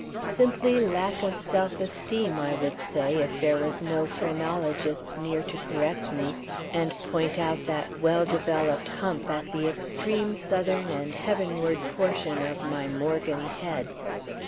"Simply lack of self esteem" I would say if there was no phrenologist near to correct me, and point out that well developed hump at the extreme southern and heavenward portion of my Morgan head.